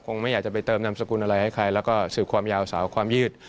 ไม่อยากจะไปเติมนามสกุลอะไรให้ใครแล้วก็สืบความยาวสาวความยืด